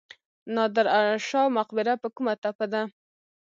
نادر شاه مقبره په کومه تپه ده؟